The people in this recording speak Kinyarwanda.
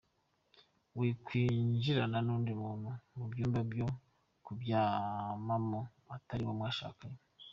Wikwinjirana n’undi muntu mu byumba byo kuryamamo atari uwo mwashakanye.